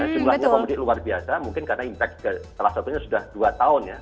jumlahnya pemudik luar biasa mungkin karena impact salah satunya sudah dua tahun ya